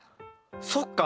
そっか！